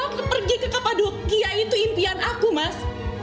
kamu tahu pergi ke kepadukia itu impian aku mas